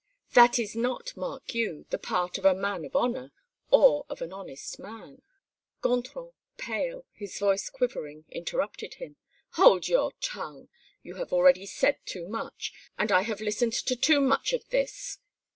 That is not, mark you, the part of a man of honor! or of an honest man!" Gontran, pale, his voice quivering, interrupted him: "Hold your tongue! You have already said too much and I have listened to too much of this.